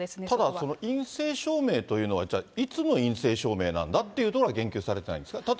ただ陰性証明というのは、じゃあいつの陰性証明なんだっていうのは言及されてないんですか。